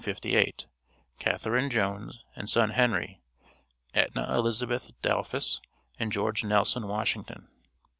CATHARINE JONES AND SON HENRY, ETNA ELIZABETH DAUPHUS, AND GEORGE NELSON WASHINGTON.